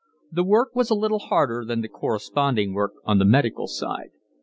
The work was a little harder than the corresponding work on the medical side.